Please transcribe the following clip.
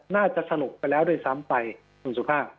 น่าจะสรุปไปแล้วด้วยซ้ำไปคุณสุภาพ